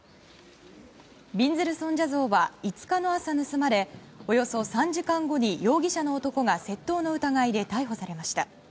びんずる尊者像は５日の朝盗まれおよそ３時間後に容疑者の男が窃盗の疑いで逮捕されました。